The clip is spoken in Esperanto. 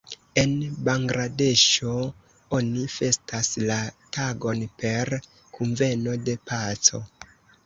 En Bangladeŝo oni festas la tagon per Kunveno de Paco.